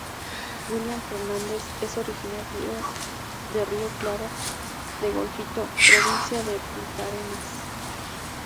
William Fernández es originario de Río Claro de Golfito, provincia de Puntarenas.